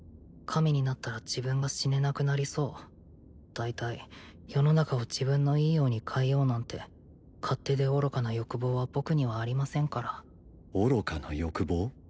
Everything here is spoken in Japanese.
神になったら自分が死ねなくなりそう大体世の中を自分のいいように変えようなんて勝手で愚かな欲望は僕にはありませんから愚かな欲望？